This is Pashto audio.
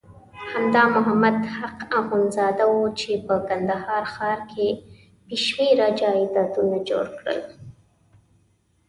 همدا محمد حق اخندزاده وو چې په کندهار ښار کې بېشمېره جایدادونه جوړ کړل.